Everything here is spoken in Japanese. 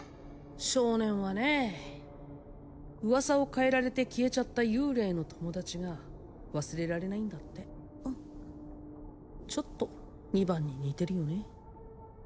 少年はねえ噂を変えられて消えちゃった幽霊の友達が忘れられないんだってちょっと二番に似てるよね